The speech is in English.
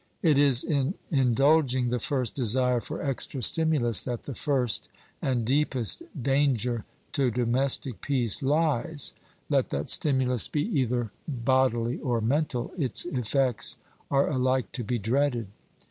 It is in indulging the first desire for extra stimulus that the first and deepest danger to domestic peace lies. Let that stimulus be either bodily or mental, its effects are alike to be dreaded.